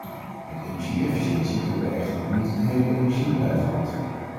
Met energie-efficiëntie hebben wij echter nog niet het hele energiebeleid gehad.